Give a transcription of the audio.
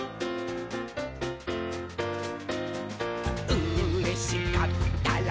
「うれしかったら」